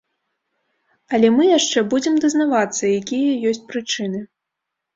Але мы яшчэ будзем дазнавацца, якія ёсць прычыны.